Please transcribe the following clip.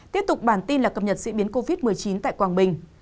tiếp tục bản tin là cập nhật diễn biến covid một mươi chín tại quảng bình